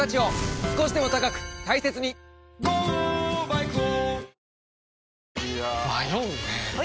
いや迷うねはい！